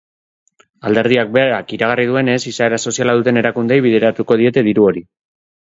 Alderdiak berak iragarri duenez, izaera soziala duten erakundeei bideratuko diete diru hori.